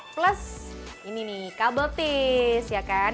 plus ini nih kabel tis ya kan